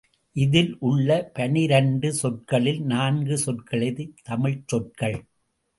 இதில் உள்ள பனிரண்டு சொற்களில் நான்கு சொற்களே தமிழ்ச் சொற்கள்.